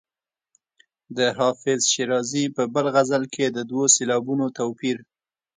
د حافظ شیرازي په بل غزل کې د دوو سېلابونو توپیر.